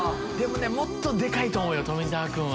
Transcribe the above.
もっとでかいと思うよ。